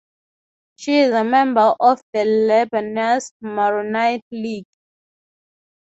She is a member of the Lebanese Maronite League.